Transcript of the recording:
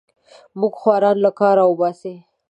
موږ خواران له کارونو وباسې.